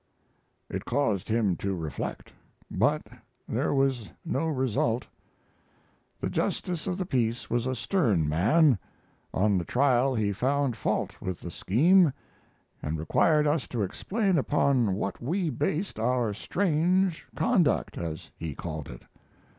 It caused him to reflect. But there was no result. The justice of the peace was a stern man. On the trial he found fault with the scheme and required us to explain upon what we based our strange conduct as he called it.